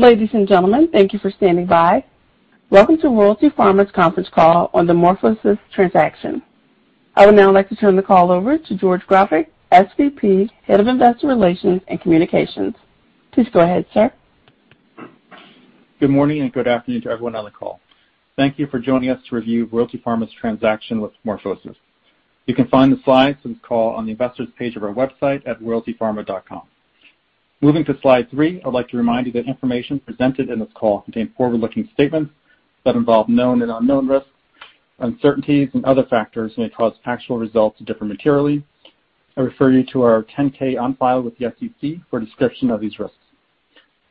Ladies and gentlemen, thank you for standing by. Welcome to Royalty Pharma's conference call on the MorphoSys transaction. I would now like to turn the call over to George Grofik, SVP, Head of Investor Relations and Communications. Please go ahead, sir. Good morning, and good afternoon to everyone on the call. Thank you for joining us to review Royalty Pharma's transaction with MorphoSys. You can find the slides from this call on the investors page of our website at royaltypharma.com. Moving to slide three, I'd like to remind you that information presented in this call contains forward-looking statements that involve known and unknown risks, uncertainties and other factors that may cause actual results to differ materially. I refer you to our 10-K on file with the SEC for a description of these risks.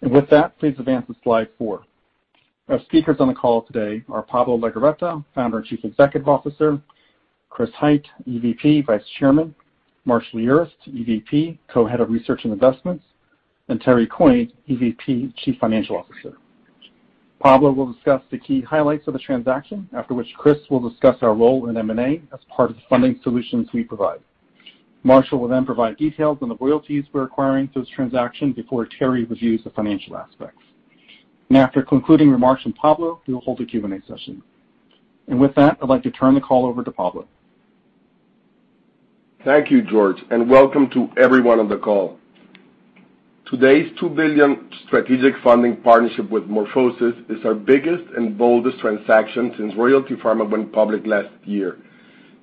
With that, please advance to slide four. Our speakers on the call today are Pablo Legorreta, Founder and Chief Executive Officer, Christopher Hite, EVP Vice Chairman, Marshall Urist, EVP, Co-Head of Research and Investments, and Terence Coyne, EVP Chief Financial Officer. Pablo will discuss the key highlights of the transaction, after which Chris will discuss our role in M&A as part of the funding solutions we provide. Marshall will then provide details on the royalties we're acquiring through this transaction before Terry reviews the financial aspects. After concluding remarks from Pablo, we will hold a Q&A session. With that, I'd like to turn the call over to Pablo. Thank you, George, and welcome to everyone on the call. Today's $2 billion strategic funding partnership with MorphoSys is our biggest and boldest transaction since Royalty Pharma went public last year.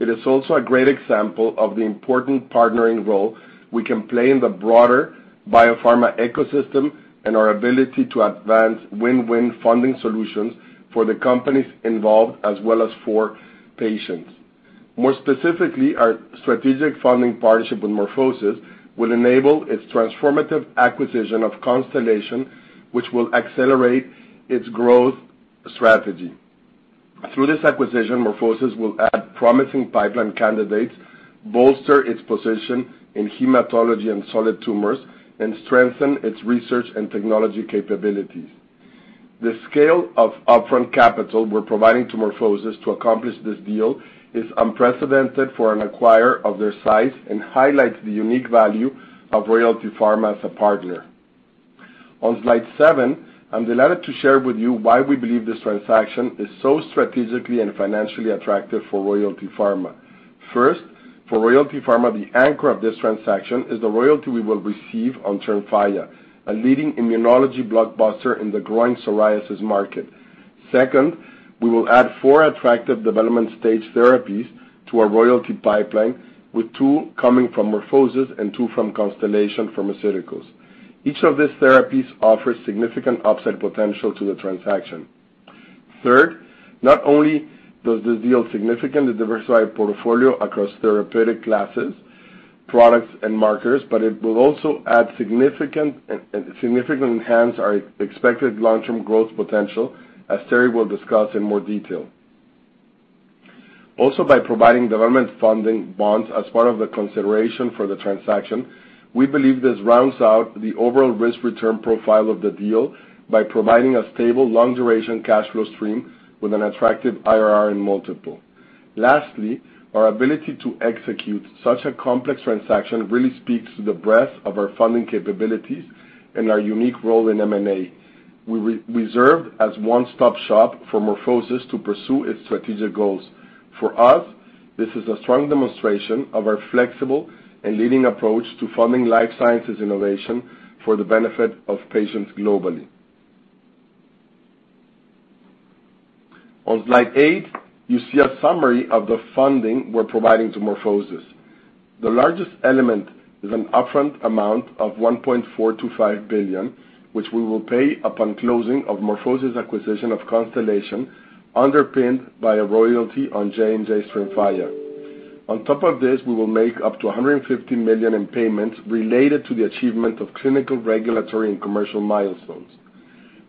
It is also a great example of the important partnering role we can play in the broader biopharma ecosystem and our ability to advance win-win funding solutions for the companies involved as well as for patients. More specifically, our strategic funding partnership with MorphoSys will enable its transformative acquisition of Constellation Pharmaceuticals, which will accelerate its growth strategy. Through this acquisition, MorphoSys will add promising pipeline candidates, bolster its position in hematology and solid tumors, and strengthen its research and technology capabilities. The scale of upfront capital we're providing to MorphoSys to accomplish this deal is unprecedented for an acquirer of their size and highlights the unique value of Royalty Pharma as a partner. On slide seven, I'm delighted to share with you why we believe this transaction is so strategically and financially attractive for Royalty Pharma. First, for Royalty Pharma, the anchor of this transaction is the royalty we will receive on TREMFYA, a leading immunology blockbuster in the growing psoriasis market. Second, we will add four attractive development stage therapies to our royalty pipeline, with two coming from MorphoSys and two from Constellation Pharmaceuticals. Each of these therapies offers significant upside potential to the transaction. Third, not only does this deal significantly diversify our portfolio across therapeutic classes, products, and marketers, but it will also significantly enhance our expected long-term growth potential, as Terry will discuss in more detail. By providing development funding bonds as part of the consideration for the transaction, we believe this rounds out the overall risk-return profile of the deal by providing a stable, long-duration cash flow stream with an attractive IRR and multiple. Lastly, our ability to execute such a complex transaction really speaks to the breadth of our funding capabilities and our unique role in M&A. We served as one-stop shop for MorphoSys to pursue its strategic goals. For us, this is a strong demonstration of our flexible and leading approach to funding life sciences innovation for the benefit of patients globally. On slide eight, you see a summary of the funding we're providing to MorphoSys. The largest element is an upfront amount of $1.425 billion, which we will pay upon closing of MorphoSys' acquisition of Constellation, underpinned by a royalty on J&J's TREMFYA. On top of this, we will make up to $150 million in payments related to the achievement of clinical, regulatory, and commercial milestones.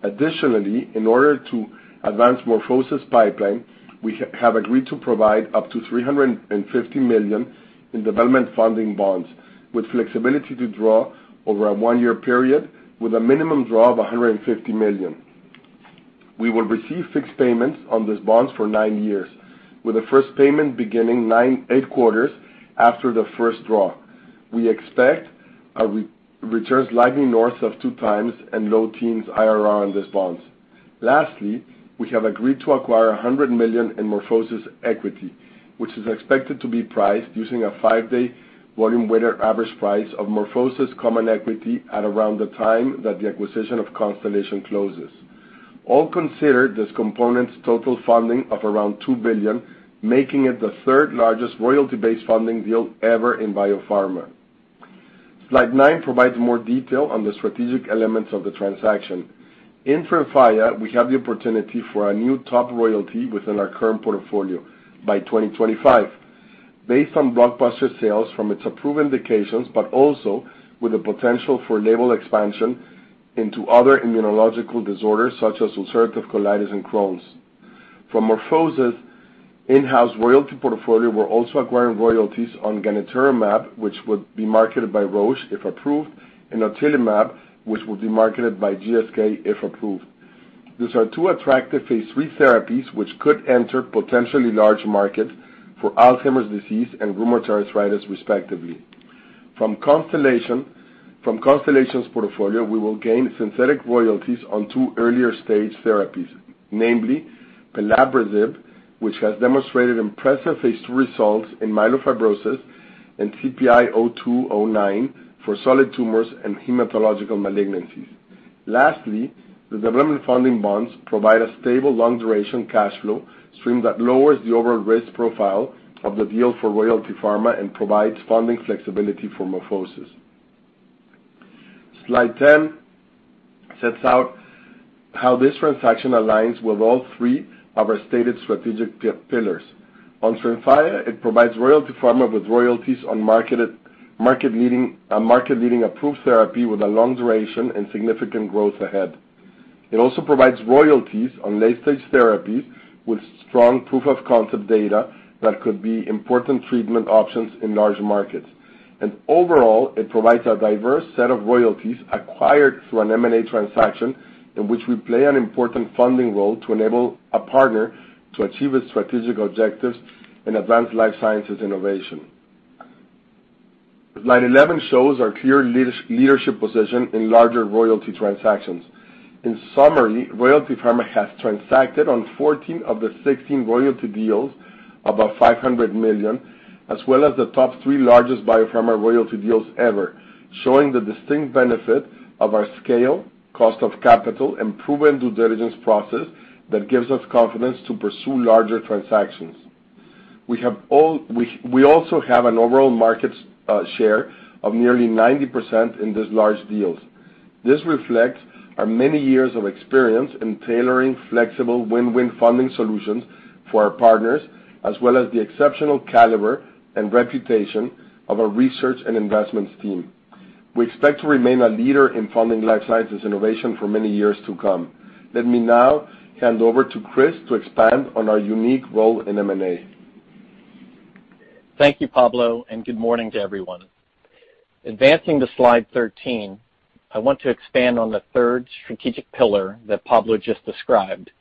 In order to advance MorphoSys' pipeline, we have agreed to provide up to $350 million in development funding bonds with flexibility to draw over a one-year period with a minimum draw of $150 million. We will receive fixed payments on these bonds for 9 years, with the first payment beginning 8 quarters after the first draw. We expect our returns likely north of 2x and low teens IRR on these bonds. Lastly, we have agreed to acquire $100 million in MorphoSys equity, which is expected to be priced using a five-day volume-weighted average price of MorphoSys common equity at around the time that the acquisition of Constellation Pharmaceuticals closes. All considered, this component's total funding of around $2 billion, making it the third-largest royalty-based funding deal ever in biopharma. Slide nine provides more detail on the strategic elements of the transaction. In TREMFYA, we have the opportunity for our new top royalty within our current portfolio by 2025. Based on blockbuster sales from its approved indications, also with the potential for label expansion into other immunological disorders such as ulcerative colitis and Crohn's. From MorphoSys' in-house royalty portfolio, we're also acquiring royalties on gantenerumab, which would be marketed by Roche if approved, and Otilimab, which would be marketed by GSK if approved. These are two attractive phase III therapies which could enter potentially large markets for Alzheimer's disease and rheumatoid arthritis respectively. From Constellation's portfolio, we will gain synthetic royalties on 2 earlier stage therapies, namely pelabresib, which has demonstrated impressive phase II results in myelofibrosis and CPI-0209 for solid tumors and hematological malignancies. Lastly, the development funding bonds provide a stable long duration cash flow stream that lowers the overall risk profile of the deal for Royalty Pharma and provides funding flexibility for MorphoSys. Slide 10 sets out how this transaction aligns with all three of our stated strategic pillars. On TREMFYA, it provides Royalty Pharma with royalties on market-leading approved therapy with a long duration and significant growth ahead. It also provides royalties on late-stage therapies with strong proof of concept data that could be important treatment options in large markets. Overall, it provides a diverse set of royalties acquired through an M&A transaction in which we play an important funding role to enable a partner to achieve its strategic objectives in advanced life sciences innovation. Slide 11 shows our clear leadership position in larger royalty transactions. In summary, Royalty Pharma has transacted on 14 of the 16 royalty deals above $500 million, as well as the top three largest biopharma royalty deals ever, showing the distinct benefit of our scale, cost of capital, and proven due diligence process that gives us confidence to pursue larger transactions. We also have an overall market share of nearly 90% in these large deals. This reflects our many years of experience in tailoring flexible win-win funding solutions for our partners, as well as the exceptional caliber and reputation of our research and investments team. We expect to remain a leader in funding life sciences innovation for many years to come. Let me now hand over to Chris to expand on our unique role in M&A. Thank you, Pablo, and good morning to everyone. Advancing to slide 13, I want to expand on the third strategic pillar that Pablo just described,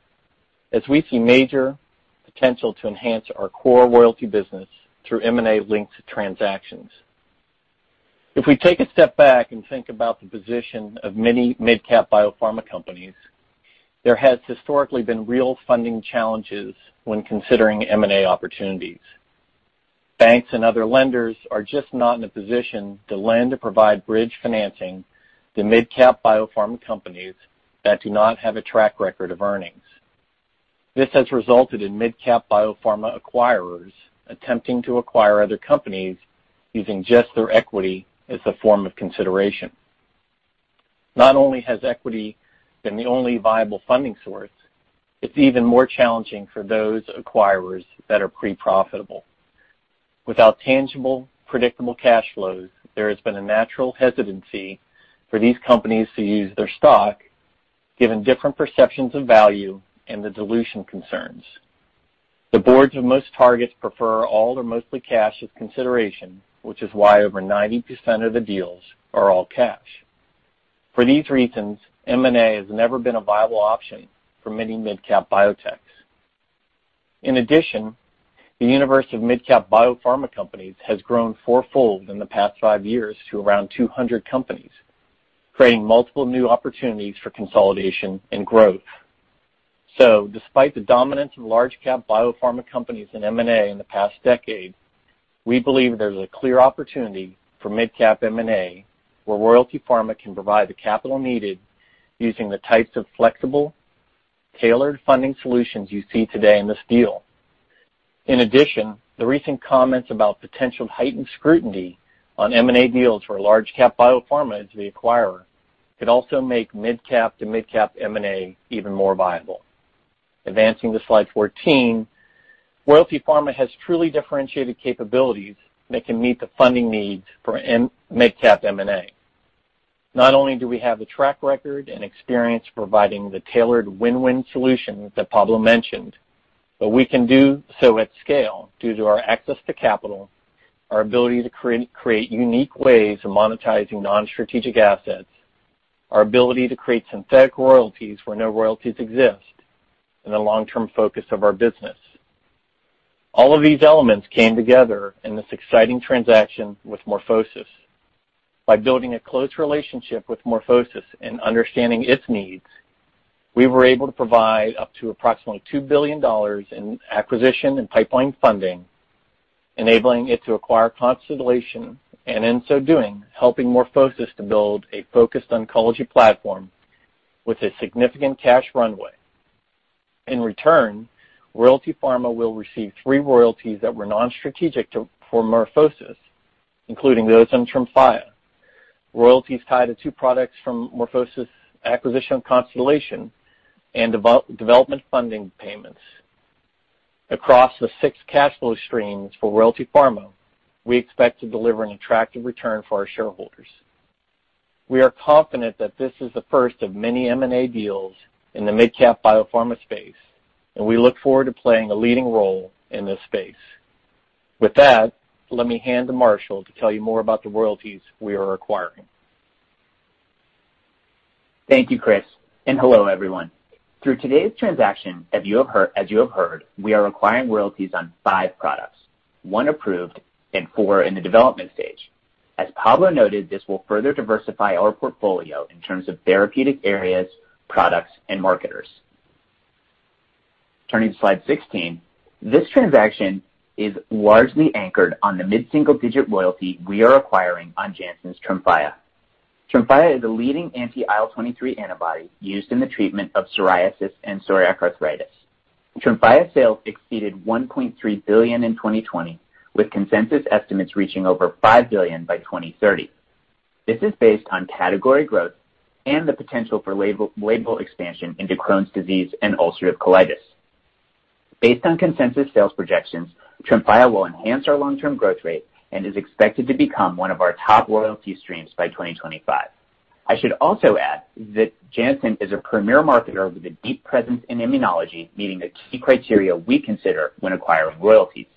as we see major potential to enhance our core royalty business through M&A-linked transactions. If we take a step back and think about the position of many mid-cap biopharma companies, there has historically been real funding challenges when considering M&A opportunities. Banks and other lenders are just not in a position to lend or provide bridge financing to mid-cap biopharma companies that do not have a track record of earnings. This has resulted in mid-cap biopharma acquirers attempting to acquire other companies using just their equity as a form of consideration. Not only has equity been the only viable funding source, it's even more challenging for those acquirers that are pre-profitable. Without tangible, predictable cash flows, there has been a natural hesitancy for these companies to use their stock, given different perceptions of value and the dilution concerns. The boards of most targets prefer all or mostly cash as consideration, which is why over 90% of the deals are all cash. For these reasons, M&A has never been a viable option for many mid-cap biotechs. In addition, the universe of mid-cap biopharma companies has grown fourfold in the past five years to around 200 companies, creating multiple new opportunities for consolidation and growth. Despite the dominance of large cap biopharma companies in M&A in the past decade, we believe there's a clear opportunity for mid-cap M&A, where Royalty Pharma can provide the capital needed using the types of flexible, tailored funding solutions you see today in this deal. In addition, the recent comments about potential heightened scrutiny on M&A deals where large cap biopharma is the acquirer could also make mid-cap to mid-cap M&A even more viable. Advancing to slide 14, Royalty Pharma has truly differentiated capabilities that can meet the funding needs for mid-cap M&A. Not only do we have the track record and experience providing the tailored win-win solutions that Pablo mentioned, but we can do so at scale due to our access to capital, our ability to create unique ways of monetizing non-strategic assets, our ability to create synthetic royalties where no royalties exist, and the long-term focus of our business. All of these elements came together in this exciting transaction with MorphoSys. By building a close relationship with MorphoSys and understanding its needs, we were able to provide up to approximately $2 billion in acquisition and pipeline funding, enabling it to acquire Constellation, and in so doing, helping MorphoSys to build a focused oncology platform with a significant cash runway. In return, Royalty Pharma will receive three royalties that were non-strategic for MorphoSys, including those from TREMFYA, royalties tied to two products from MorphoSys' acquisition of Constellation, and development funding payments. Across the six cash flow streams for Royalty Pharma, we expect to deliver an attractive return for our shareholders. We are confident that this is the first of many M&A deals in the mid-cap biopharma space, we look forward to playing a leading role in this space. With that, let me hand to Marshall to tell you more about the royalties we are acquiring. Thank you, Chris, and hello, everyone. Through today's transaction, as you have heard, we are acquiring royalties on five products, one approved and four in the development stage. As Pablo noted, this will further diversify our portfolio in terms of therapeutic areas, products, and marketers. Turning to slide 16. This transaction is largely anchored on the mid-single-digit royalty we are acquiring on Janssen's TREMFYA. TREMFYA is a leading anti-IL-23 antibody used in the treatment of psoriasis and psoriatic arthritis. TREMFYA sales exceeded $1.3 billion in 2020, with consensus estimates reaching over $5 billion by 2030. This is based on category growth and the potential for label expansion into Crohn's disease and ulcerative colitis. Based on consensus sales projections, TREMFYA will enhance our long-term growth rate and is expected to become one of our top royalty streams by 2025. I should also add that Janssen is a premier marketer with a deep presence in immunology, meeting the key criteria we consider when acquiring royalties.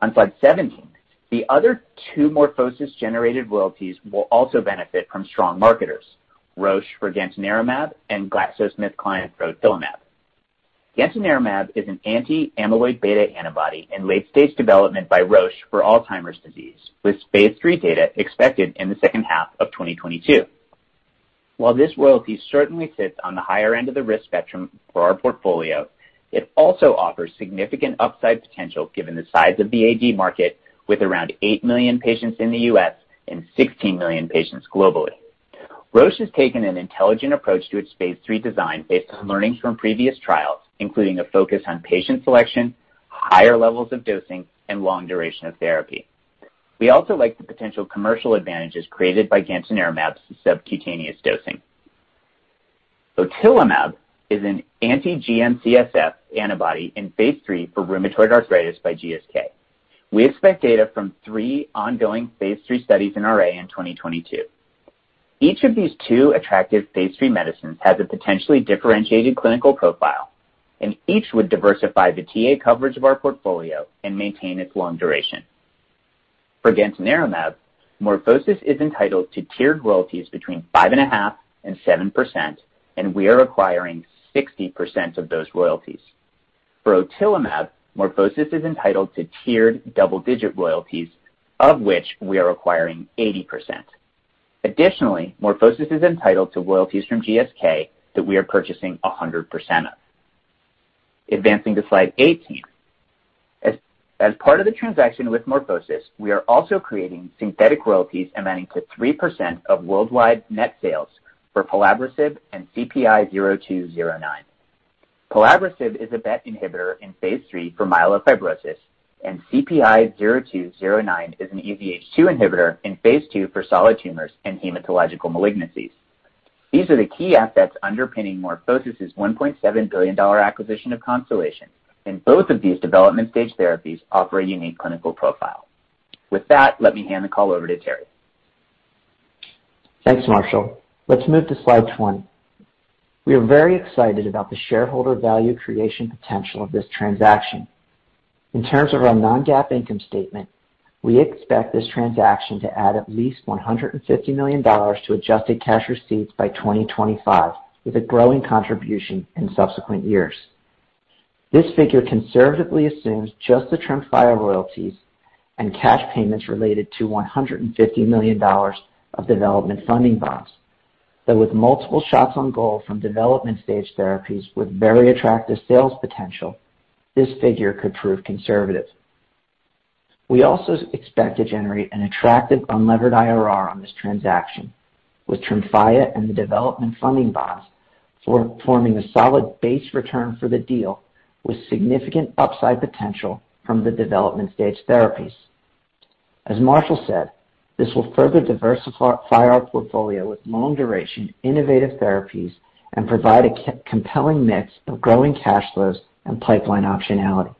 On slide 17, the other two MorphoSys-generated royalties will also benefit from strong marketers, Roche for gantenerumab and GlaxoSmithKline for otilimab. Gantenerumab is an anti-amyloid-beta antibody in late-stage development by Roche for Alzheimer's disease, with Phase III data expected in the second half of 2022. While this royalty certainly sits on the higher end of the risk spectrum for our portfolio, it also offers significant upside potential given the size of the AD market, with around eight million patients in the U.S. and 16 million patients globally. Roche has taken an intelligent approach to its Phase III design based on learnings from previous trials, including a focus on patient selection, higher levels of dosing, and long duration of therapy. We also like the potential commercial advantages created by gantenerumab's subcutaneous dosing. otilimab is an anti-GM-CSF antibody in phase III for rheumatoid arthritis by GSK. We expect data from three ongoing phase III studies in RA in 2022. Each of these two attractive phase III medicines has a potentially differentiated clinical profile, and each would diversify the TA coverage of our portfolio and maintain its long duration. For gantenerumab, MorphoSys is entitled to tiered royalties between 5.5% and 7%, and we are acquiring 60% of those royalties. For otilimab, MorphoSys is entitled to tiered double-digit royalties, of which we are acquiring 80%. Additionally, MorphoSys is entitled to royalties from GSK that we are purchasing 100% of. Advancing to slide 18. As part of the transaction with MorphoSys, we are also creating synthetic royalties amounting to 3% of worldwide net sales for pelabresib and CPI-0209. Pelabresib is a BET inhibitor in phase III for myelofibrosis. CPI-0209 is an EZH2 inhibitor in phase II for solid tumors and hematological malignancies. These are the key assets underpinning MorphoSys' $1.7 billion acquisition of Constellation. Both of these development-stage therapies offer a unique clinical profile. With that, let me hand the call over to Terry. Thanks, Marshall. Let's move to slide 20. We are very excited about the shareholder value creation potential of this transaction. In terms of our non-GAAP income statement, we expect this transaction to add at least $150 million to Adjusted Cash Receipts by 2025, with a growing contribution in subsequent years. This figure conservatively assumes just the TREMFYA royalties and cash payments related to $150 million of development funding bonds. With multiple shots on goal from development-stage therapies with very attractive sales potential, this figure could prove conservative. We also expect to generate an attractive unlevered IRR on this transaction, with TREMFYA and the development funding bonds forming a solid base return for the deal, with significant upside potential from the development-stage therapies. As Marshall said, this will further diversify our portfolio with long-duration innovative therapies and provide a compelling mix of growing cash flows and pipeline optionality.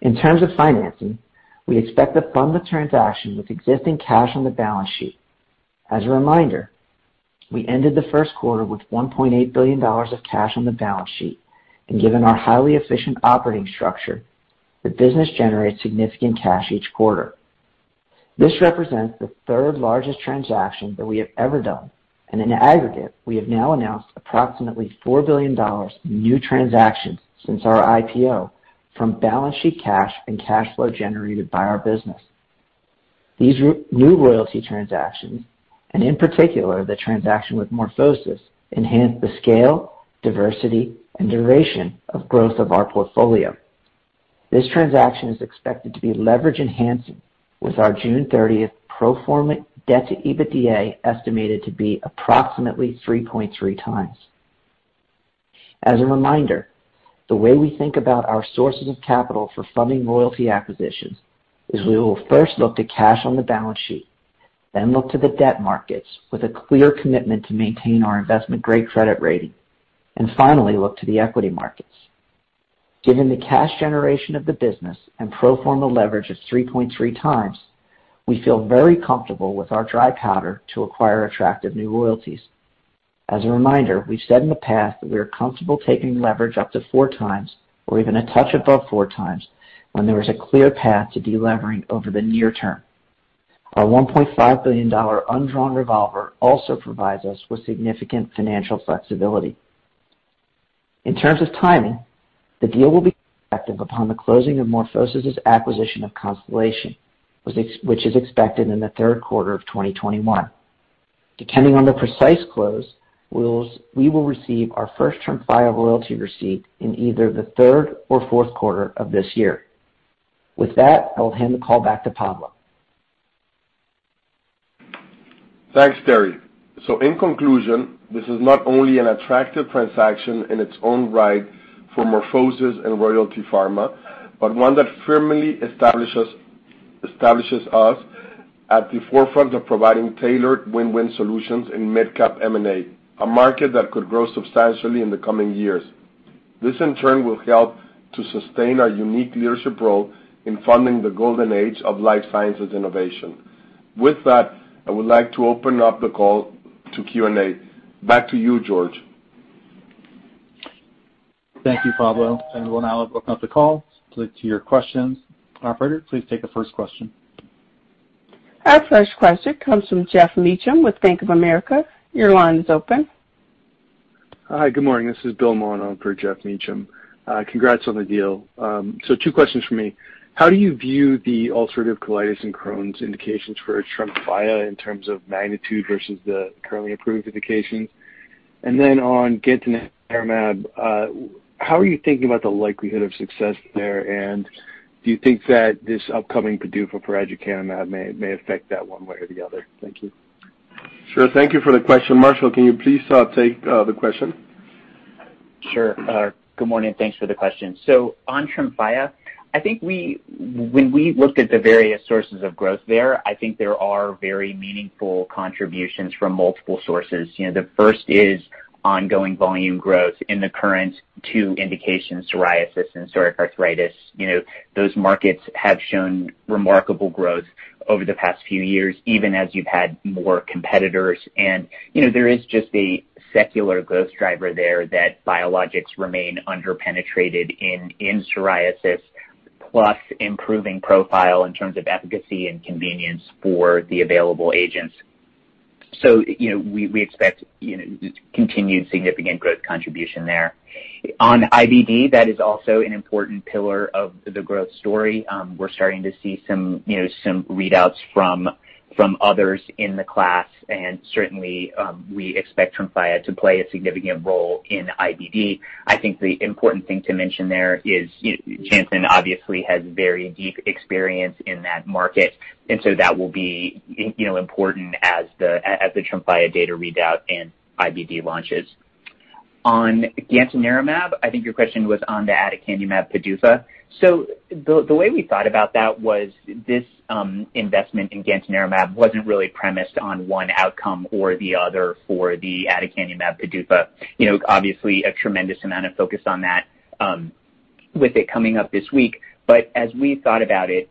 In terms of financing, we expect to fund the transaction with existing cash on the balance sheet. As a reminder, we ended the first quarter with $1.8 billion of cash on the balance sheet, and given our highly efficient operating structure, the business generates significant cash each quarter. This represents the third-largest transaction that we have ever done, and in aggregate, we have now announced approximately $4 billion in new transactions since our IPO from balance sheet cash and cash flow generated by our business. These new royalty transactions, and in particular, the transaction with MorphoSys, enhance the scale, diversity, and duration of growth of our portfolio. This transaction is expected to be leverage-enhancing with our June 30th pro forma debt to EBITDA estimated to be approximately 3.3 times. As a reminder, the way we think about our sources of capital for funding royalty acquisitions is we will first look to cash on the balance sheet, then look to the debt markets with a clear commitment to maintain our investment-grade credit rating, and finally look to the equity markets. Given the cash generation of the business and pro forma leverage of 3.3 times, we feel very comfortable with our dry powder to acquire attractive new royalties. As a reminder, we said in the past that we are comfortable taking leverage up to four times or even a touch above four times when there is a clear path to de-levering over the near term. Our $1.5 billion undrawn revolver also provides us with significant financial flexibility. In terms of timing, the deal will be effective upon the closing of MorphoSys' acquisition of Constellation, which is expected in the third quarter of 2021. Depending on the precise close, we will receive our first TREMFYA royalty receipt in either the third or fourth quarter of this year. With that, I'll hand the call back to Pablo. Thanks, Terry. In conclusion, this is not only an attractive transaction in its own right for MorphoSys and Royalty Pharma, but one that firmly establishes us at the forefront of providing tailored win-win solutions in mid-cap M&A, a market that could grow substantially in the coming years. This, in turn, will help to sustain our unique leadership role in funding the golden age of life sciences innovation. I would like to open up the call to Q&A. Back to you, George. Thank you, Pablo. We'll now open up the call to your questions. Operator, please take the first question. Our first question comes from Geoff Meacham with Bank of America. Your line is open. Hi, good morning. This is Bill Mon for Geoff Meacham. Congrats on the deal. Two questions for me. How do you view the ulcerative colitis and Crohn's indications for TREMFYA in terms of magnitude versus the currently approved indication? On gantenerumab, how are you thinking about the likelihood of success there? Do you think that this upcoming PDUFA for aducanumab may affect that one way or the other? Thank you. Sure. Thank you for the question. Marshall, can you please take the question? Sure. Good morning. Thanks for the question. On TREMFYA, I think when we look at the various sources of growth there, I think there are very meaningful contributions from multiple sources. The first is ongoing volume growth in the current two indications, psoriasis and psoriatic arthritis. Those markets have shown remarkable growth over the past few years, even as you've had more competitors. There is just a secular growth driver there that biologics remain under-penetrated in psoriasis, plus improving profile in terms of efficacy and convenience for the available agents. We expect continued significant growth contribution there. On IBD, that is also an important pillar of the growth story. We're starting to see some readouts from others in the class, and certainly, we expect TREMFYA to play a significant role in IBD. I think the important thing to mention there is Janssen obviously has very deep experience in that market. That will be important as the TREMFYA data readout and IBD launches. On gantenerumab, I think your question was on the aducanumab PDUFA. The way we thought about that was this investment in gantenerumab wasn't really premised on one outcome or the other for the aducanumab PDUFA. Obviously, a tremendous amount of focus on that with it coming up this week. As we thought about it,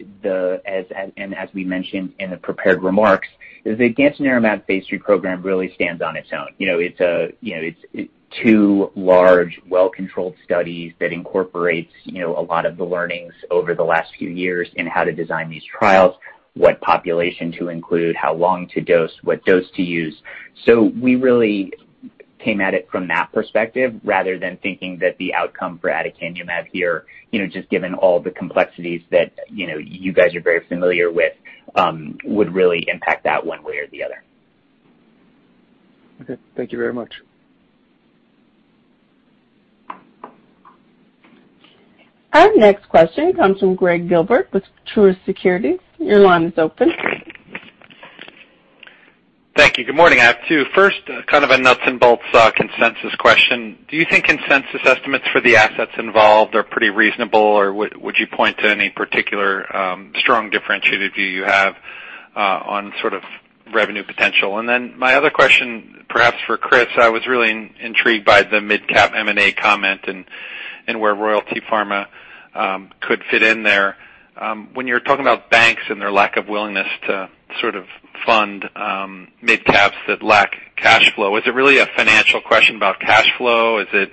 and as we mentioned in the prepared remarks, the gantenerumab-based program really stands on its own. It's two large, well-controlled studies that incorporates a lot of the learnings over the last few years in how to design these trials, what population to include, how long to dose, what dose to use. We really came at it from that perspective rather than thinking that the outcome for aducanumab here, just given all the complexities that you guys are very familiar with would really impact that one way or the other. Okay, thank you very much. Our next question comes from Gregg Gilbert with Truist Securities. Your line is open. Thank you. Good morning. I have two. First, a kind of a nuts and bolts consensus question. Do you think consensus estimates for the assets involved are pretty reasonable, or would you point to any particular strong differentiated view you have on sort of revenue potential? My other question, perhaps for Christopher Hite, I was really intrigued by the mid-cap M&A comment and where Royalty Pharma could fit in there. When you're talking about banks and their lack of willingness to sort of fund mid-caps that lack cash flow, is it really a financial question about cash flow? Is it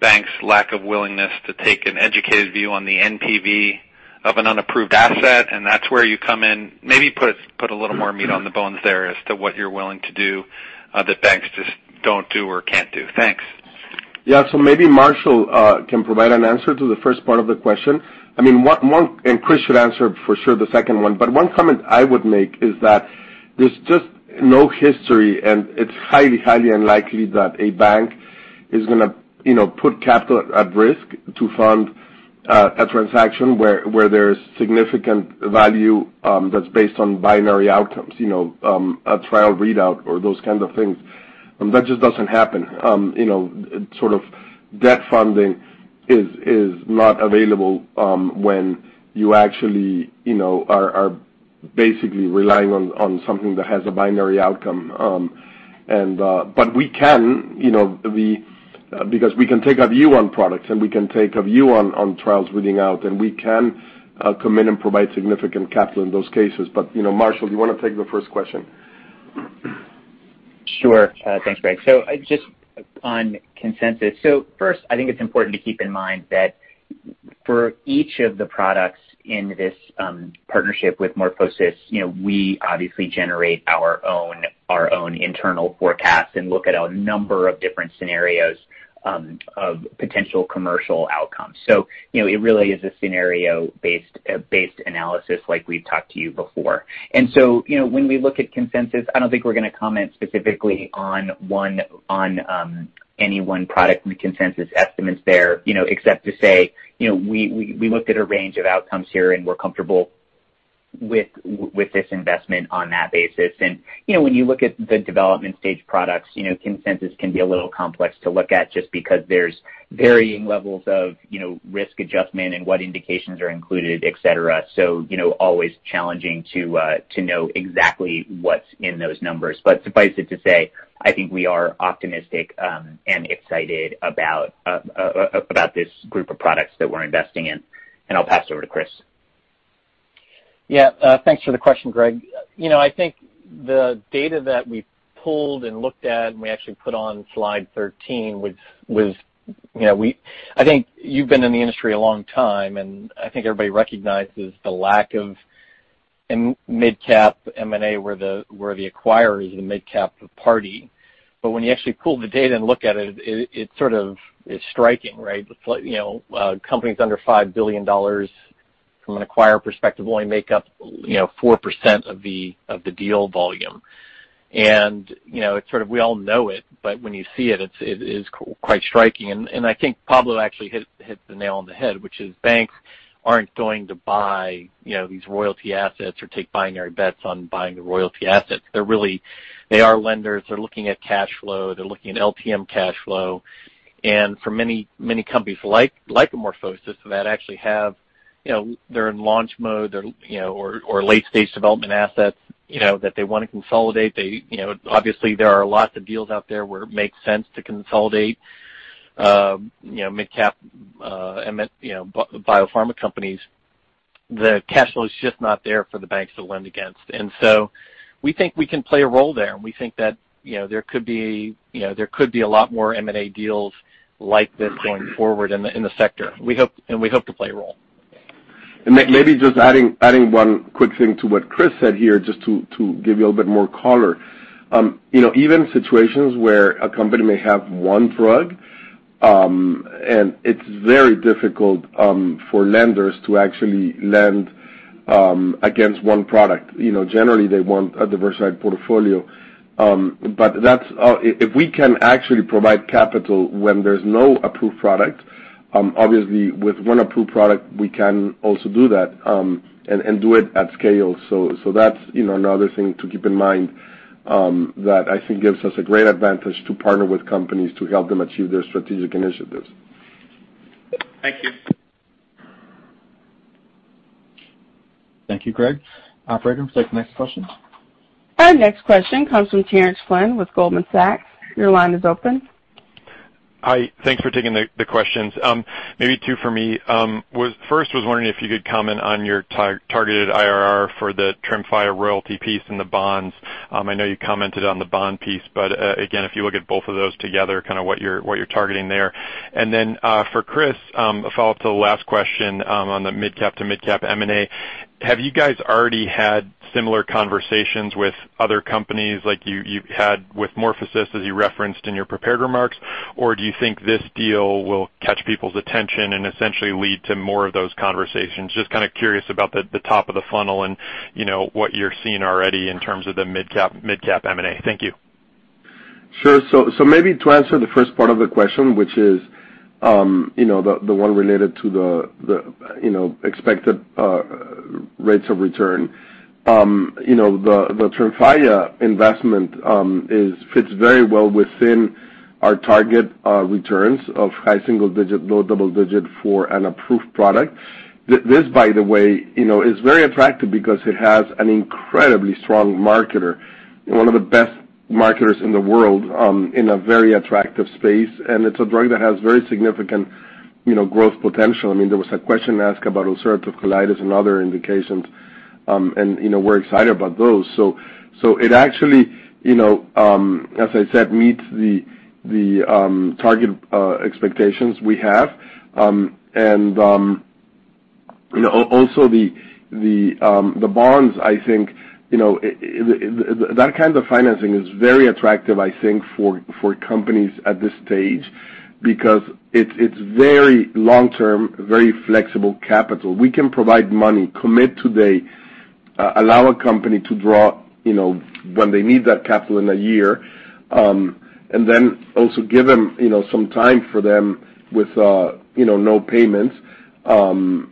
banks' lack of willingness to take an educated view on the NPV of an unapproved asset, and that's where you come in, maybe put a little more meat on the bones there as to what you're willing to do that banks just don't do or can't do. Thanks. Maybe Marshall Urist can provide an answer to the first part of the question. Chris Hite should answer for sure the second one. One comment I would make is that there's just no history, and it's highly unlikely that a bank is going to put capital at risk to fund a transaction where there's significant value that's based on binary outcomes, a trial readout or those kinds of things. That just doesn't happen. That funding is not available when you actually are basically relying on something that has a binary outcome. We can take a view on products, and we can take a view on trials reading out, and we can come in and provide significant capital in those cases. Marshall Urist, do you want to take the first question? Sure. Thanks, Gregg. Just on consensus. First, I think it's important to keep in mind that for each of the products in this partnership with MorphoSys, we obviously generate our own internal forecasts and look at a number of different scenarios of potential commercial outcomes. It really is a scenario-based analysis like we've talked to you before. When we look at consensus, I don't think we're going to comment specifically on any one product and the consensus estimates there except to say, we looked at a range of outcomes here, and we're comfortable with this investment on that basis. When you look at the development stage products, consensus can be a little complex to look at just because there's varying levels of risk adjustment and what indications are included, et cetera. Always challenging to know exactly what's in those numbers. Suffice it to say, I think we are optimistic and excited about this group of products that we're investing in. I'll pass it over to Chris. Thanks for the question, Gregg. I think the data that we pulled and looked at, we actually put on slide 13, I think you've been in the industry a long time, I think everybody recognizes the lack of mid-cap M&A where the acquirer is the mid-cap party. When you actually pull the data and look at it sort of is striking, right. Companies under $5 billion from an acquirer perspective only make up 4% of the deal volume. We all know it, when you see it is quite striking. I think Pablo actually hit the nail on the head, which is banks aren't going to buy these royalty assets or take binary bets on buying the royalty assets. They are lenders. They're looking at cash flow. They're looking at LTM cash flow. For many companies like MorphoSys that actually have they're in launch mode or late-stage development assets that they want to consolidate. Obviously, there are lots of deals out there where it makes sense to consolidate mid-cap biopharma companies. The cash flow is just not there for the banks to lend against. We think we can play a role there, and we think that there could be a lot more M&A deals like this going forward in the sector. We hope to play a role. Maybe just adding one quick thing to what Chris said here, just to give you a little bit more color. Even situations where a company may have one drug, and it's very difficult for lenders to actually lend against one product. Generally, they want a diversified portfolio. If we can actually provide capital when there's no approved product, obviously with one approved product, we can also do that, and do it at scale. That's another thing to keep in mind that I think gives us a great advantage to partner with companies to help them achieve their strategic initiatives. Thank you. Thank you, Gregg. Operator, take the next question. Our next question comes from Terence Flynn with Goldman Sachs. Hi. Thanks for taking the questions. Maybe two for me. First was wondering if you could comment on your targeted IRR for the TREMFYA royalty piece and the bonds. I know you commented on the bond piece, but again, if you look at both of those together, kind of what you're targeting there. Then for Chris, a follow-up to the last question on the mid-cap to mid-cap M&A. Have you guys already had similar conversations with other companies like you've had with MorphoSys, as you referenced in your prepared remarks? Do you think this deal will catch people's attention and essentially lead to more of those conversations? Just kind of curious about the top of the funnel and what you're seeing already in terms of the mid-cap M&A. Thank you. Maybe to answer the first part of the question, which is the one related to the expected rates of return. The TREMFYA investment fits very well within our target returns of high single digit, low double digit for an approved product. This, by the way, is very attractive because it has an incredibly strong marketer, one of the best marketers in the world, in a very attractive space, and it's a drug that has very significant growth potential. There was a question asked about ulcerative colitis and other indications, and we're excited about those. It actually, as I said, meets the target expectations we have. Also the bonds, I think that kind of financing is very attractive, I think, for companies at this stage because it's very long-term, very flexible capital. We can provide money, commit today, allow a company to draw when they need that capital in a year, and then also give some time for them with no payments. When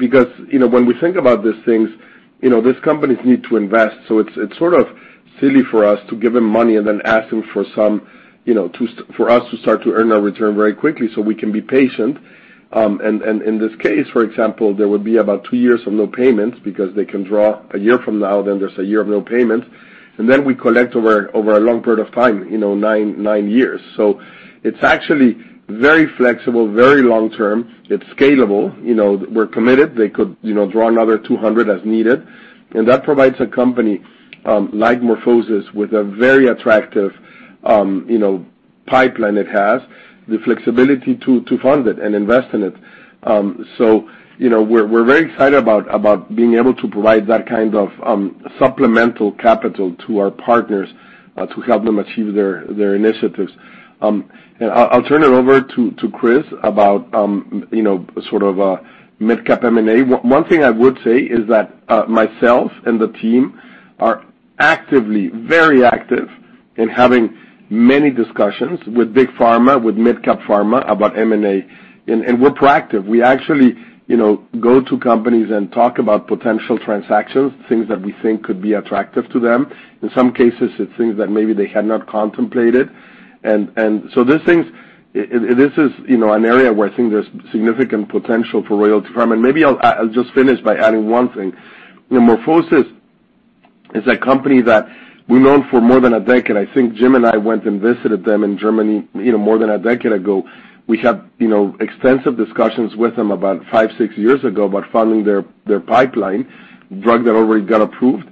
we think about these things, these companies need to invest. It's silly for us to give them money and then ask them for us to start to earn our return very quickly. So we can be patient. In this case, for example, there would be about two years of no payments because they can draw a year from now, then there's a year of no payment. Then we collect over a long period of time, nine years. It's actually very flexible, very long-term. It's scalable. We're committed. They could draw another $200 million as needed. That provides a company like MorphoSys with a very attractive pipeline it has, the flexibility to fund it and invest in it. We're very excited about being able to provide that kind of supplemental capital to our partners to help them achieve their initiatives. I'll turn it over to Chris about sort of a mid-cap M&A. One thing I would say is that myself and the team are very active in having many discussions with Big Pharma, with mid-cap pharma about M&A, and we're proactive. We actually go to companies and talk about potential transactions, things that we think could be attractive to them. In some cases, it's things that maybe they had not contemplated. This is an area where I think there's significant potential for Royalty Pharma. Maybe I'll just finish by adding one thing. MorphoSys is a company that we've known for more than a decade. I think Jim and I went and visited them in Germany more than a decade ago. We had extensive discussions with them about five, six years ago about funding their pipeline, drug that already got approved.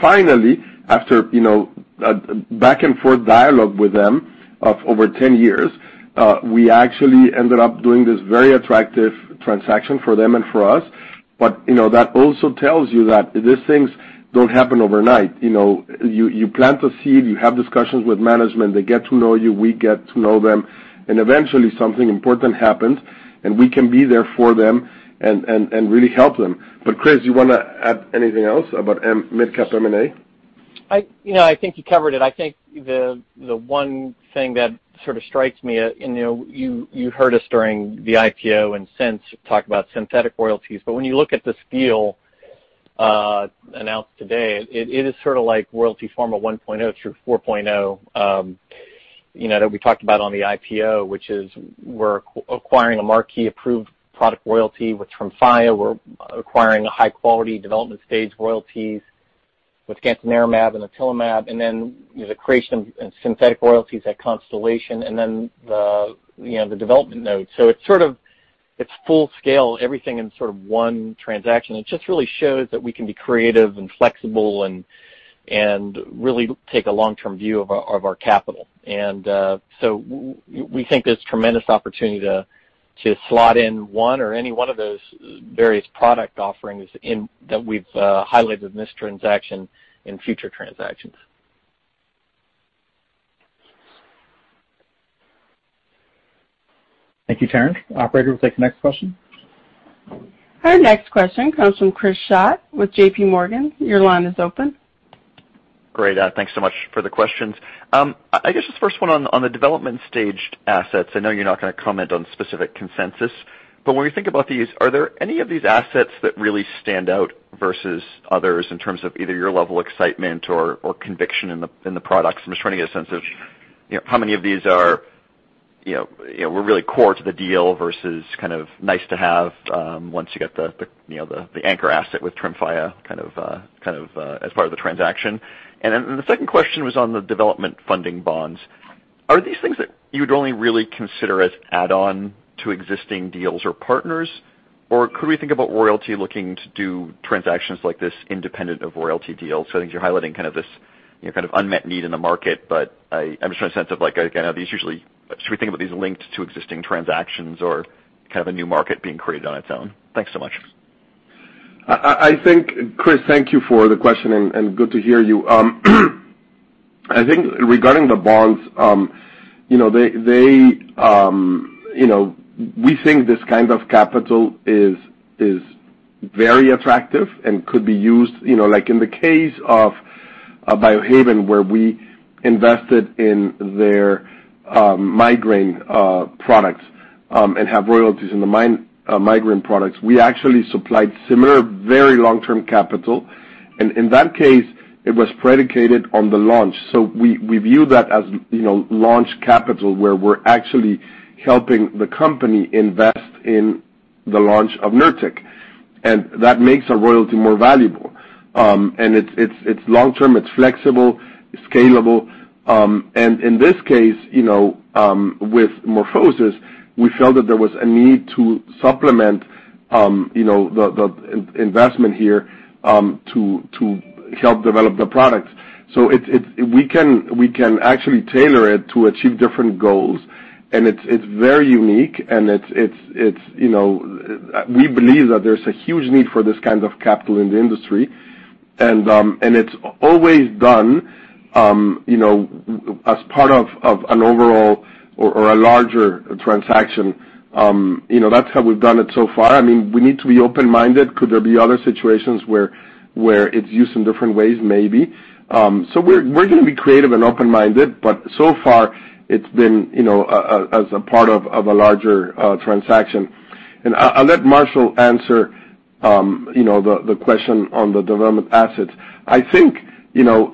Finally, after back-and-forth dialogue with them of over 10 years, we actually ended up doing this very attractive transaction for them and for us. That also tells you that these things don't happen overnight. You plant a seed, you have discussions with management, they get to know you, we get to know them, and eventually something important happens, and we can be there for them and really help them. Chris, you want to add anything else about mid-cap M&A? I think you covered it. I think the one thing that sort of strikes me, you heard us during the IPO and since talk about synthetic royalties. When you look at this deal announced today, it is sort of like Royalty Pharma 1.0 through 4.0 that we talked about on the IPO, which is we're acquiring a marquee approved product royalty, which from TREMFYA, we're acquiring a high-quality development stage royalties with gantenerumab and otilimab, and then the creation of synthetic royalties at Constellation Pharmaceuticals, and then the development node. It's full scale, everything in sort of one transaction. It just really shows that we can be creative and flexible and really take a long-term view of our capital. We think there's tremendous opportunity to slot in one or any one of those various product offerings that we've highlighted in this transaction, in future transactions. Thank you, Terrance. Operator, we'll take the next question. Our next question comes from Chris Schott with J.P. Morgan. Your line is open. Great. Thanks so much for the questions. I guess the first one on the development staged assets, I know you're not going to comment on specific consensus, but when you think about these, are there any of these assets that really stand out versus others in terms of either your level excitement or conviction in the products? I'm just trying to get a sense of how many of these are really core to the deal versus kind of nice to have once you get the anchor asset with TREMFYA kind of as part of the transaction. The second question was on the development funding bonds. Are these things that you'd only really consider as add on to existing deals or partners, or could we think about Royalty looking to do transactions like this independent of Royalty deals? I think you're highlighting this unmet need in the market, but I'm just trying to sense of these usually should we think about these linked to existing transactions or a new market being created on its own? Thanks so much. I think, Chris, thank you for the question, and good to hear you. I think regarding the bonds, we think this kind of capital is very effective and could be used like in the case of Biohaven, where we invested in their migraine products and have royalties in the migraine products. We actually supplied similar very long-term capital, and in that case, it was predicated on the launch. We view that as launch capital, where we're actually helping the company invest in the launch of NURTEC ODT, and that makes a royalty more valuable. It's long-term, it's flexible, it's scalable. In this case, with MorphoSys, we felt that there was a need to supplement the investment here to help develop the products. We can actually tailor it to achieve different goals, and it's very unique, and we believe that there's a huge need for this kind of capital in the industry, and it's always done as part of an overall or a larger transaction. That's how we've done it so far. We need to be open-minded. Could there be other situations where it's used in different ways? Maybe. We're going to be creative and open-minded, but so far it's been as a part of a larger transaction. I'll let Marshall answer the question on the development assets. I think,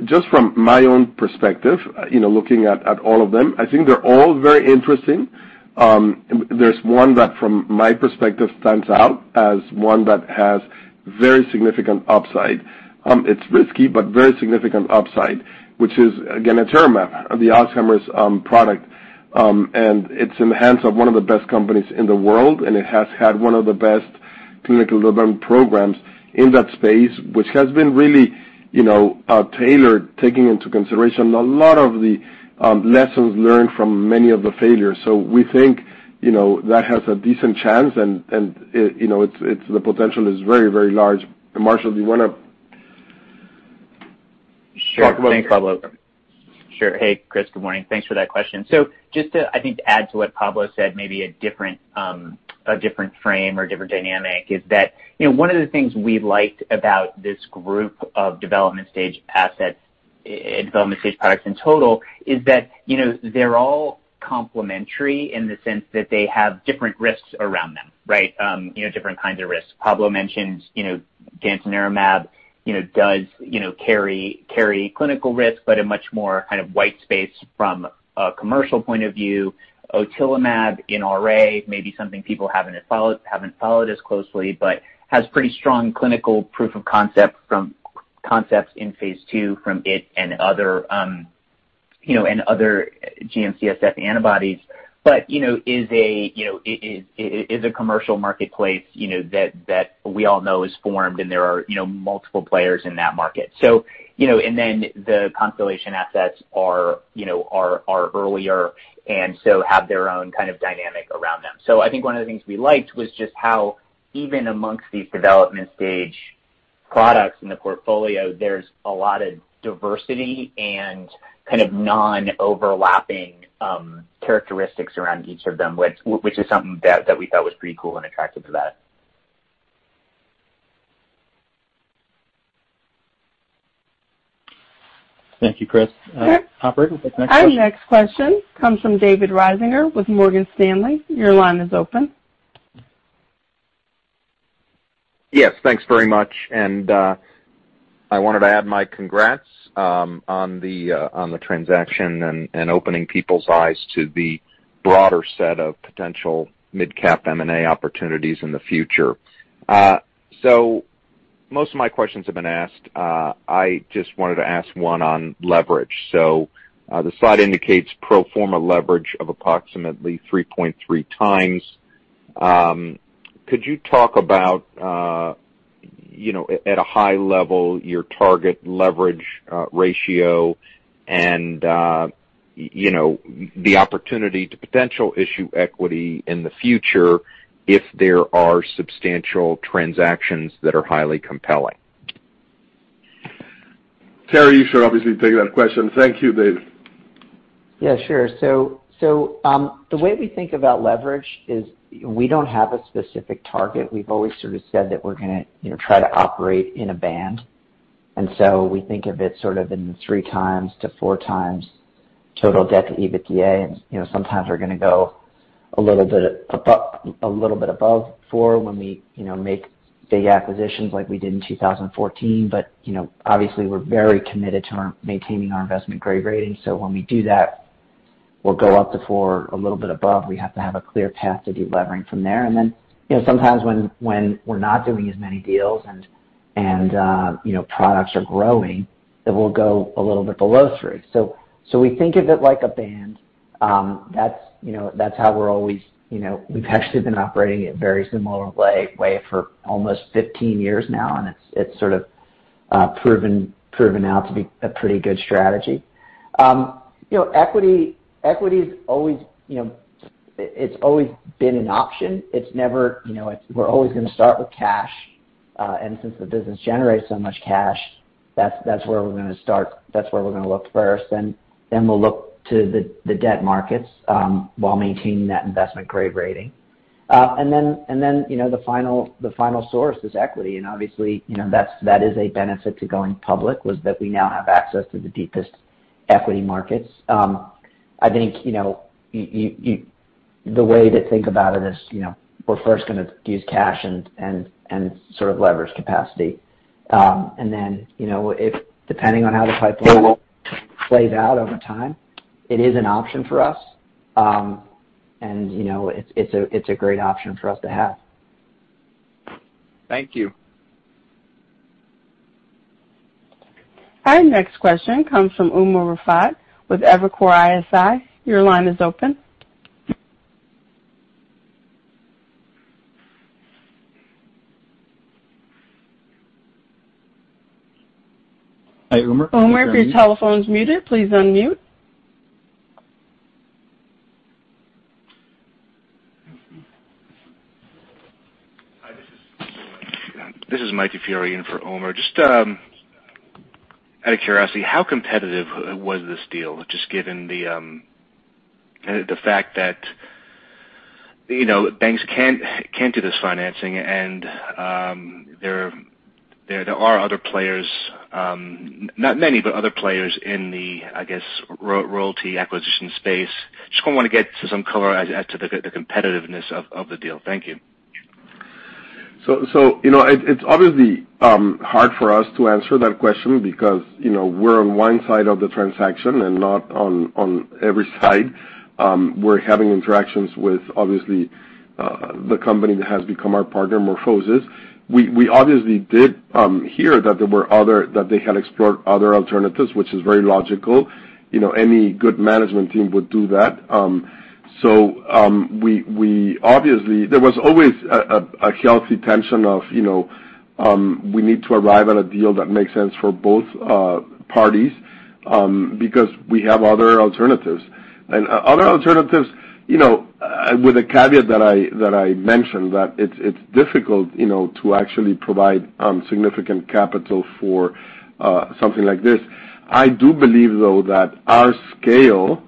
just from my own perspective, looking at all of them, I think they're all very interesting. There's one that from my perspective stands out as one that has very significant upside. It's risky, but very significant upside, which is, again, Aduhelm, the Alzheimer's product. It's in the hands of one of the best companies in the world, and it has had one of the best clinical development programs in that space, which has been really tailored, taking into consideration a lot of the lessons learned from many of the failures. We think that has a decent chance and the potential is very, very large. Marshall, do you want to talk about? Sure. Thanks, Pablo. Sure. Hey, Chris, good morning. Thanks for that question. Just to add to what Pablo said, maybe a different frame or different dynamic is that, one of the things we liked about this group of development stage assets and development stage products in total is that they're all complementary in the sense that they have different risks around them. Different kinds of risks. Pablo mentioned, aducanumab does carry clinical risk, but a much more kind of white space from a commercial point of view. Otilimab in RA may be something people haven't followed as closely, but has pretty strong clinical proof of concept in phase II from it and other GM-CSF antibodies. Is a commercial marketplace that we all know is formed and there are multiple players in that market. The Constellation assets are earlier and so have their own kind of dynamic around them. I think one of the things we liked was just how even amongst these development stage products in the portfolio, there's a lot of diversity and kind of non-overlapping characteristics around each of them, which is something that we thought was pretty cool and attracted to that. Thank you, Chris. Operator, next question. Our next question comes from David Risinger with Morgan Stanley. Your line is open. Yes, thanks very much. I wanted to add my congrats on the transaction and opening people's eyes to the broader set of potential mid-cap M&A opportunities in the future. Most of my questions have been asked. I just wanted to ask one on leverage. The slide indicates pro forma leverage of approximately 3.3 times. Could you talk about, at a high level, your target leverage ratio and the opportunity to potential issue equity in the future if there are substantial transactions that are highly compelling? Terry, you should obviously take that question. Thank you, David. Yeah, sure. The way we think about leverage is we don't have a specific target. We've always sort of said that we're going to try to operate in a band. We think of it sort of in the three times to four times total debt to EBITDA, and sometimes we're going to go a little bit above four when we make big acquisitions like we did in 2014. Obviously, we're very committed to maintaining our investment-grade rating. When we do that, we'll go up to four, a little bit above. We have to have a clear path to de-levering from there. Sometimes when we're not doing as many deals and products are growing, then we'll go a little bit below three. We think of it like a band. That's how we've actually been operating in a very similar way for almost 15 years now. It's sort of proven out to be a pretty good strategy. Equity has always been an option. We're always going to start with cash. Since the business generates so much cash, that's where we're going to start. That's where we're going to look first. Then we'll look to the debt markets while maintaining that investment-grade rating. Then the final source is equity. Obviously, that is a benefit to going public, was that we now have access to the deepest equity markets. I think, the way to think about it is, we're first going to use cash and sort of leverage capacity. Then, depending on how the pipeline plays out over time, it is an option for us. It's a great option for us to have. Thank you. Our next question comes from Umer Raffat with Evercore ISI. Your line is open. Hi, Umer. Umer, your telephone is muted. Please unmute. This is Mike DiFiore in for Umer. Just out of curiosity, how competitive was this deal, just given the fact that banks can't do this financing? There are other players, not many, but other players in the, I guess, royalty acquisition space. Just want to get some color as to the competitiveness of the deal. Thank you. It's obviously hard for us to answer that question because we're on one side of the transaction and not on every side. We're having interactions with, obviously, the company that has become our partner, MorphoSys. We obviously did hear that they had explored other alternatives, which is very logical. Any good management team would do that. Obviously, there was always a healthy tension of, we need to arrive at a deal that makes sense for both parties, because we have other alternatives. Other alternatives, with the caveat that I mentioned, that it's difficult to actually provide significant capital for something like this. I do believe, though, that our scale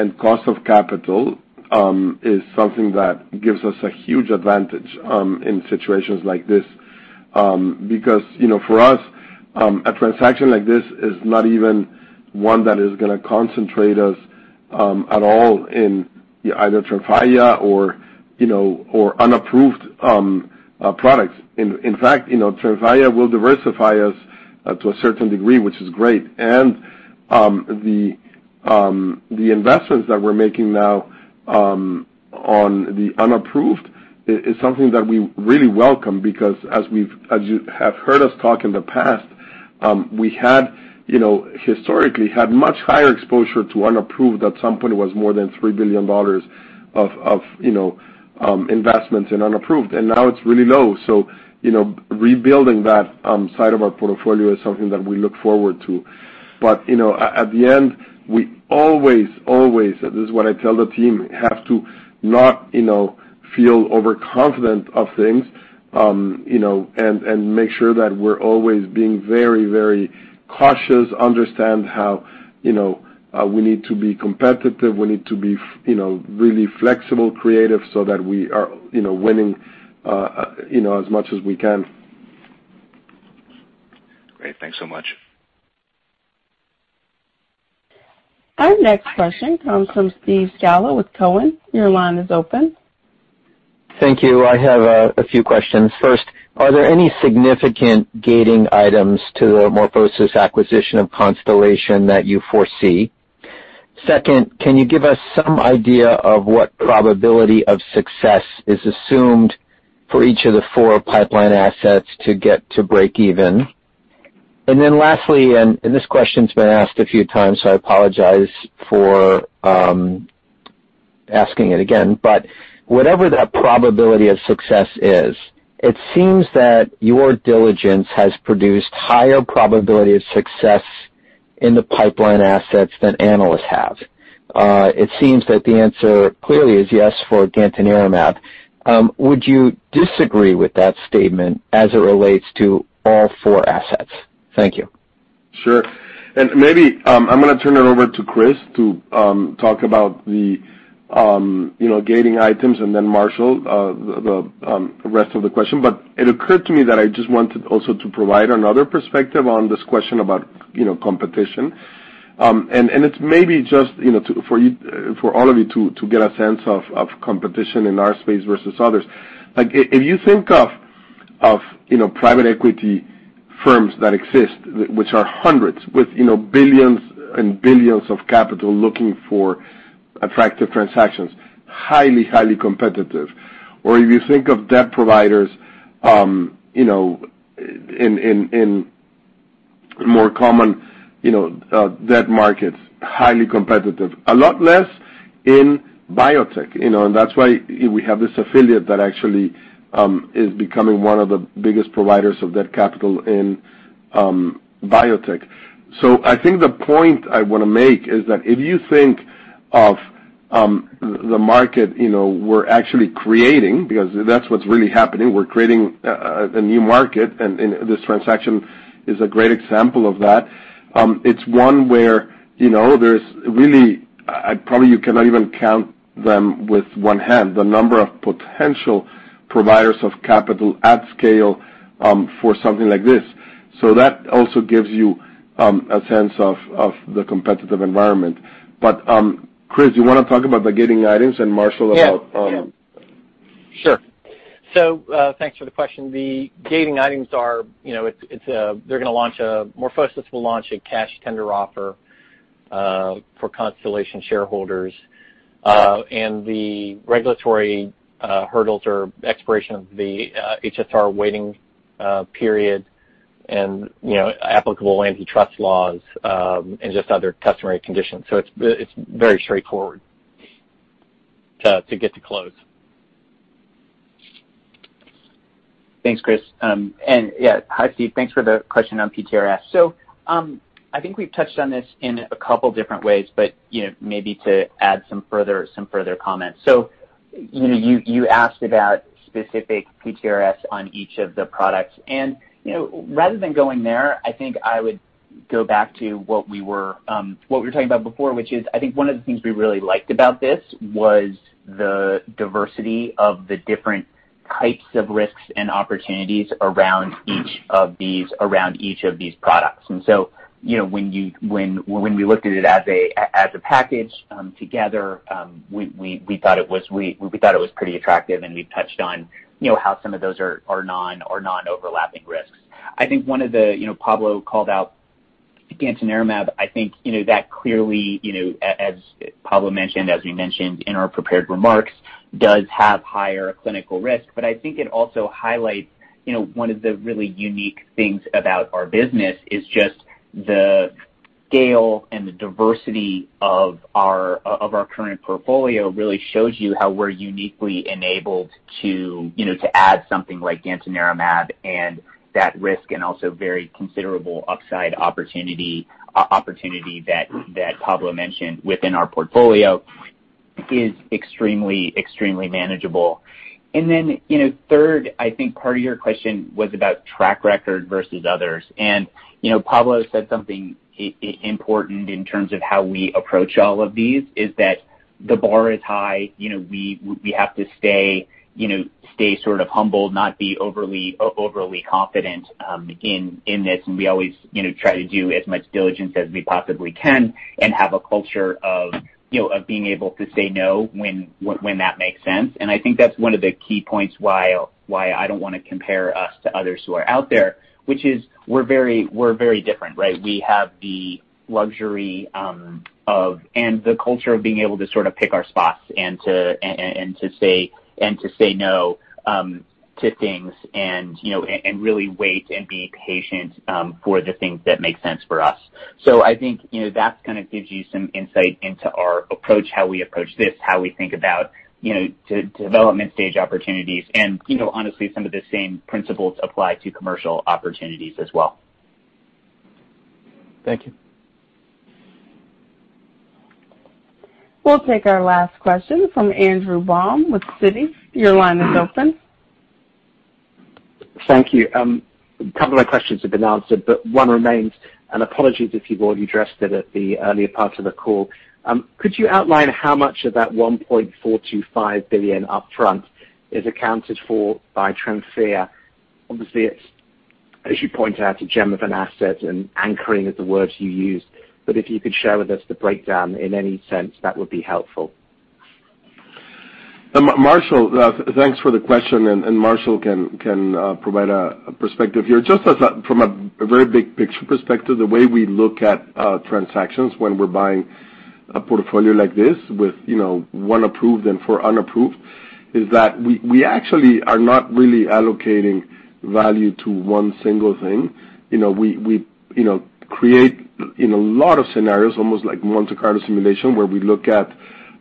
and cost of capital is something that gives us a huge advantage in situations like this. Because, for us, a transaction like this is not even one that is going to concentrate us, at all in either TREMFYA or unapproved products. In fact, TREMFYA will diversify us to a certain degree, which is great. The investments that we're making now on the unapproved is something that we really welcome because as you have heard us talk in the past, we historically had much higher exposure to unapproved. At some point, it was more than $3 billion of investments in unapproved, and now it's really low. Rebuilding that side of our portfolio is something that we look forward to. At the end, we always, this is what I tell the team, have to not feel overconfident of things, and make sure that we're always being very cautious, understand how we need to be competitive, we need to be really flexible, creative so that we are winning as much as we can. Great. Thanks so much. Our next question comes from Steve Scala with Cowen. Your line is open. Thank you. I have a few questions. First, are there any significant gating items to the MorphoSys acquisition of Constellation that you foresee? Second, can you give us some idea of what probability of success is assumed for each of the four pipeline assets to get to breakeven? Lastly, this question's been asked a few times, I apologize for asking it again, whatever that probability of success is, it seems that your diligence has produced higher probability of success in the pipeline assets than analysts have. It seems that the answer clearly is yes for gantenerumab. Would you disagree with that statement as it relates to all four assets? Thank you. Sure. Maybe, I'm going to turn it over to Christopher Hite to talk about the gating items and then Marshall Urist, the rest of the question. It occurred to me that I just wanted also to provide another perspective on this question about competition. It's maybe just for all of you to get a sense of competition in our space versus others. If you think of private equity firms that exist, which are hundreds, with billions and billions of capital looking for attractive transactions, highly competitive. If you think of debt providers in more common debt markets, highly competitive. A lot less in biotech, and that's why we have this affiliate that actually is becoming one of the biggest providers of debt capital in biotech. I think the point I want to make is that if you think of the market we're actually creating, because that's what's really happening, we're creating a new market, and this transaction is a great example of that. It's one where there's really, probably you cannot even count them with one hand, the number of potential providers of capital at scale for something like this. That also gives you a sense of the competitive environment. Chris, you want to talk about the gating items and Marshall about- Thanks for the question. The gating items are, MorphoSys will launch a cash tender offer for Constellation shareholders. The regulatory hurdles or expiration of the HSR waiting period and applicable antitrust laws, and just other customary conditions. It's very straightforward to get to close. Thanks, Chris. Yeah, hi Steve, thanks for the question on PTRS. I think we've touched on this in a couple different ways, but maybe to add some further comments. You asked about specific PTRS on each of the products. Rather than going there, I think I would go back to what we were talking about before, which is, I think one of the things we really liked about this was the diversity of the different types of risks and opportunities around each of these products. When we look at it as a package together, we thought it was pretty attractive, and we touched on how some of those are non-overlapping risks. Pablo called out gantenerumab, I think that clearly, as Pablo mentioned, as we mentioned in our prepared remarks, does have higher clinical risk. I think it also highlights one of the really unique things about our business is just the scale and the diversity of our current portfolio really shows you how we're uniquely enabled to add something like gantenerumab and that risk and also very considerable upside opportunity that Pablo mentioned within our portfolio is extremely manageable. Third, I think part of your question was about track record versus others. Pablo said something important in terms of how we approach all of these, is that the bar is high. We have to stay humble, not be overly confident in this, and we always try to do as much diligence as we possibly can and have a culture of being able to say no when that makes sense. I think that's one of the key points why I don't want to compare us to others who are out there, which is we're very different, right? We have the luxury of and the culture of being able to sort of pick our spots and to say no to things and really wait and be patient for the things that make sense for us. I think, that kind of gives you some insight into our approach, how we approach this, how we think about development stage opportunities. Honestly, some of the same principles apply to commercial opportunities as well. Thank you. We'll take our last question from Andrew Baum with Citi. Thank you. A couple of questions have been answered, but one remains. Apologies if you've already addressed it at the earlier part of the call. Could you outline how much of that $1.425 billion upfront is accounted for by TREMFYA? Obviously, as you point out, a gem of an asset and anchoring it, the words you used, but if you could share with us the breakdown in any sense, that would be helpful. Marshall, thanks for the question, and Marshall can provide a perspective here. Just from a very big picture perspective, the way we look at transactions when we're buying a portfolio like this with one approved and four unapproved, is that we actually are not really allocating value to one single thing. We create a lot of scenarios, almost like Monte Carlo simulation, where we look at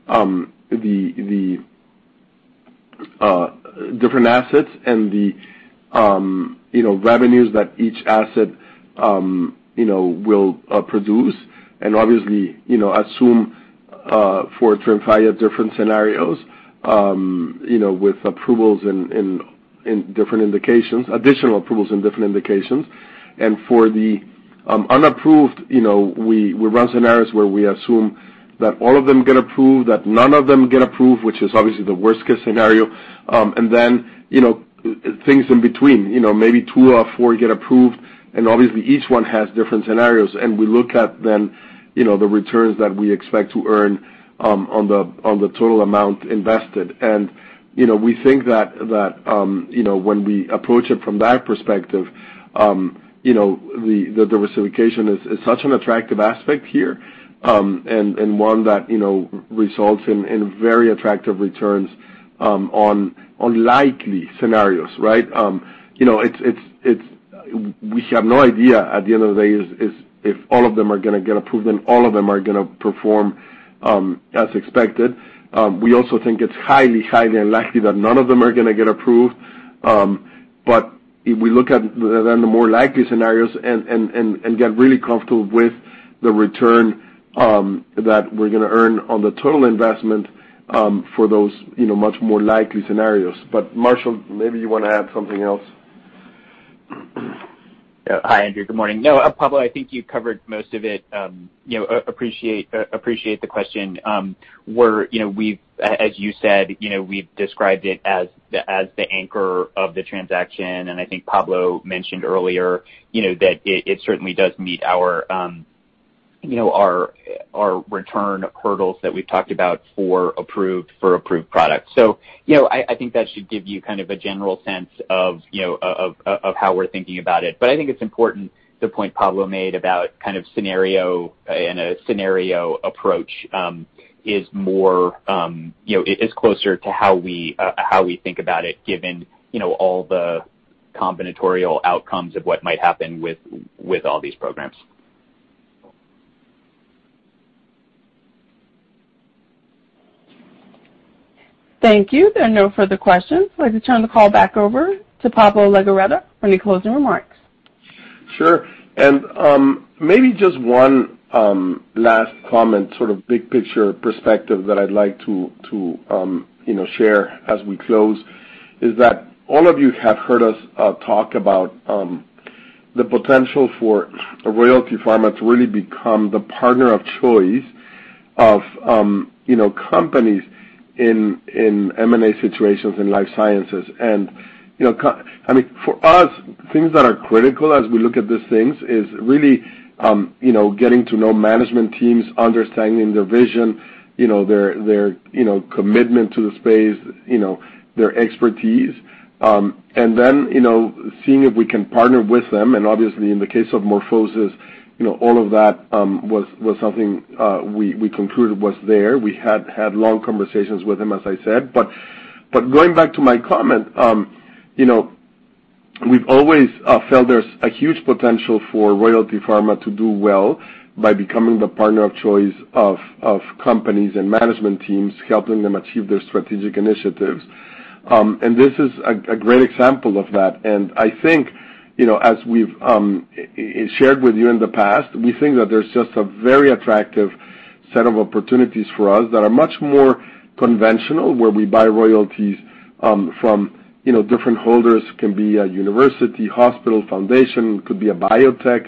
the different assets and the revenues that each asset will produce. Obviously, assume for TREMFYA different scenarios with approvals in different indications, additional approvals in different indications. For the unapproved, we run scenarios where we assume that all of them get approved, that none of them get approved, which is obviously the worst-case scenario. Then things in between, maybe two or four get approved, obviously, each one has different scenarios. We look at then the returns that we expect to earn on the total amount invested. We think that when we approach it from that perspective, the diversification is such an attractive aspect here, and one that results in very attractive returns on likely scenarios, right? We have no idea at the end of the day if all of them are going to get approved and all of them are going to perform as expected. We also think it's highly unlikely that none of them are going to get approved. We look at the more likely scenarios and get really comfortable with the return that we're going to earn on the total investment for those much more likely scenarios. Marshall, maybe you want to add something else. Hi, Andrew. Good morning. Pablo, I think you covered most of it. Appreciate the question. As you said, we've described it as the anchor of the transaction, and I think Pablo mentioned earlier, that it certainly does meet our return hurdles that we talked about for approved products. I think that should give you a general sense of how we're thinking about it. I think it's important the point Pablo made about scenario and a scenario approach is closer to how we think about it given all the combinatorial outcomes of what might happen with all these programs. Thank you. There are no further questions. I'd like to turn the call back over to Pablo Legorreta for any closing remarks. Sure. Maybe just one last comment, sort of big picture perspective that I'd like to share as we close. Is that all of you have heard us talk about the potential for Royalty Pharma to really become the partner of choice of companies in M&A situations in life sciences. For us, things that are critical as we look at these things is really getting to know management teams, understanding their vision, their commitment to the space, their expertise. Then, seeing if we can partner with them, obviously in the case of MorphoSys, all of that was something we concluded was there. We had long conversations with them, as I said. Going back to my comment, we've always felt there's a huge potential for Royalty Pharma to do well by becoming the partner of choice of companies and management teams, helping them achieve their strategic initiatives. This is a great example of that, and I think, as we've shared with you in the past, we think that there's just a very attractive set of opportunities for us that are much more conventional, where we buy royalties from different holders. It can be a university, hospital, foundation, it could be a biotech,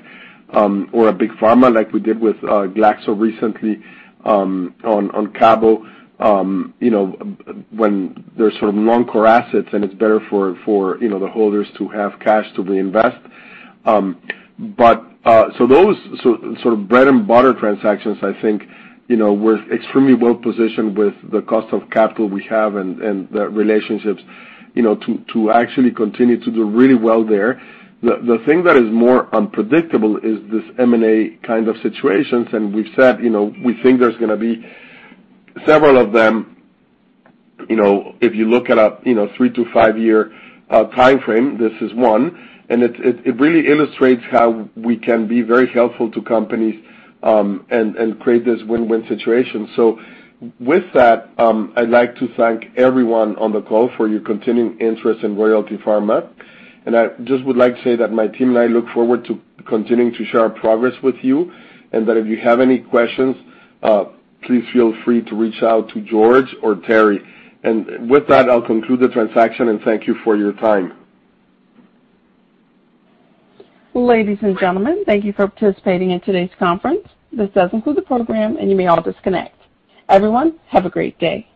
or a big pharma like we did with Glaxo recently on cabozantinib. When there's sort of non-core assets and it's better for the holders to have cash to reinvest. Those sort of bread and butter transactions, I think, we're extremely well-positioned with the cost of capital we have and the relationships to actually continue to do really well there. The thing that is more unpredictable is this M&A kind of situations. We've said, we think there's going to be several of them if you look at a 3- to 5-year timeframe. This is one, and it really illustrates how we can be very helpful to companies and create this win-win situation. With that, I'd like to thank everyone on the call for your continuing interest in Royalty Pharma. I just would like to say that my team and I look forward to continuing to share our progress with you, and that if you have any questions, please feel free to reach out to George or Terry. With that, I'll conclude the transaction and thank you for your time. Ladies and gentlemen, thank you for participating in today's conference. This does conclude the program, and you may all disconnect. Everyone, have a great day.